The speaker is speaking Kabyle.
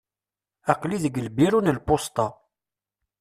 Aql-i deg lbiru n lpusṭa.